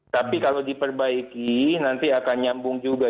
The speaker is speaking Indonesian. tapi kalau diperbaiki nanti akan nyambung juga